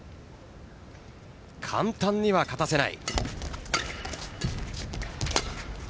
簡単には勝たせない。